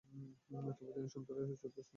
তবুও তিনি চতুর্থ সন্ত্রাসীকে হত্যা করেছিলেন।